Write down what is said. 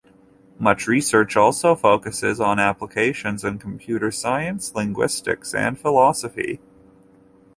Much research also focuses on applications in computer science, linguistics, and philosophy.